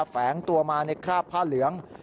แฝงตัวมาในคราบผ้าเหลือง